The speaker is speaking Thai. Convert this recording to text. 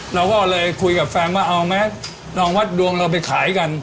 เราก็เลยคุยกับแฟนว่าเอาไหมลองวัดดวงเราไปขายกัน